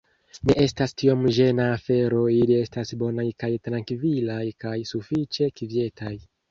Ne estas tiom ĝena afero ili estas bonaj kaj trankvilaj kaj sufiĉe kvietaj